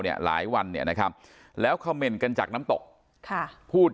หลายวันเนี่ยนะครับแล้วคำเมนต์กันจากน้ำตกค่ะพูด